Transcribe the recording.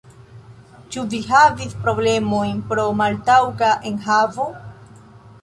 Ĉu vi havis problemojn pro maltaŭga enhavo?